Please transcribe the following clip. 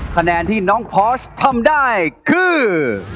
คะแนนที่น้องพอสทำได้คือ